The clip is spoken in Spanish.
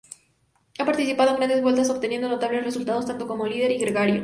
Ha participado en Grandes Vueltas obteniendo notables resultados tanto como líder y gregario.